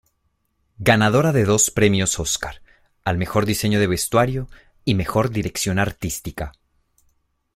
Ganadora de dos premios Óscar: al Mejor diseño de vestuario y Mejor dirección artística.